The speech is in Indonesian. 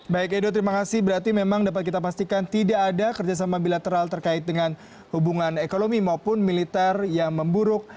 baik edo terima kasih berarti memang dapat kita pastikan tidak ada kerjasama bilateral terkait dengan hubungan ekonomi maupun militer yang memburuk